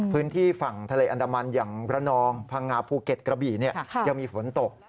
พื้นที่ฝั่งทะเลอันดามันอย่างระนองพังงาภูเก็ตกระบี่ยังมีฝนตก